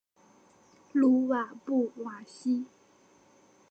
鲁瓦布瓦西。